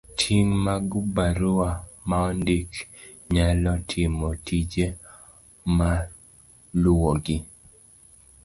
Ting ' mag barua maondik nyalo timo tije maluwogi.